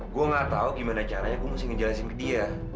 gue gak tahu gimana caranya kayak gimana destiny